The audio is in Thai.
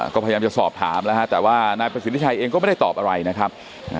ก็พยายามจะสอบถามแล้วฮะแต่ว่านายประสิทธิชัยเองก็ไม่ได้ตอบอะไรนะครับ